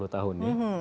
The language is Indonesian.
dua puluh tahun ya